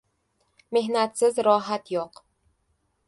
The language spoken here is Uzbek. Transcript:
• Mehnatsiz rohat yo‘q.